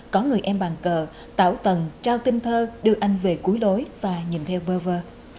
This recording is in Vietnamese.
có người em bàn cờ tạo tầng trao tinh thơ đưa anh về cuối lối và nhìn theo bơ vơ